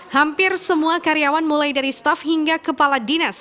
hampir semua karyawan mulai dari staff hingga kepala dinas